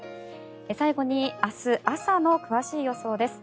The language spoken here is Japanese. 最後に明日朝の詳しい予想です。